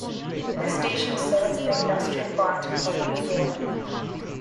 The station serves the industrial part of Hayward.